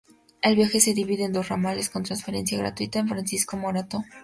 El viaje se divide en dos "ramales" con transferencia gratuita en Francisco Morato.